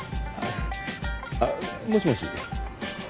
あっもしもし。